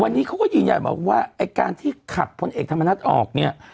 วันนี้เขาก็ยืนยันบอกว่าไอ้การที่ขัดพลเอกธรรมนัฐออกเนี่ย